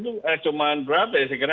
itu cuma berapa ya saya kira